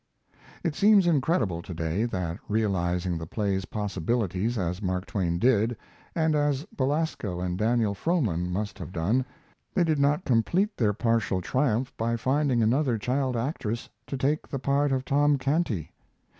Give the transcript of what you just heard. It seems incredible to day that, realizing the play's possibilities as Mark Twain did, and as Belasco and Daniel Frohman must have done, they did not complete their partial triumph by finding another child actress to take the part of Tom Canty.